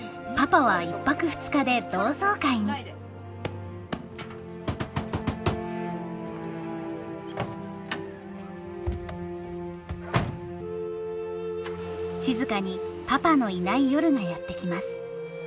そんな時静にパパのいない夜がやって来ます。